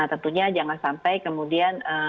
tentunya jangan sampai kemudian